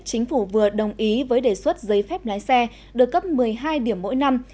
chính phủ vừa đồng ý với đề xuất giấy phép lái xe được cấp một mươi hai điểm mỗi năm